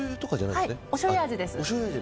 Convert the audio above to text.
おしょうゆ味です。